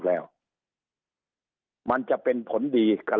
สุดท้ายก็ต้านไม่อยู่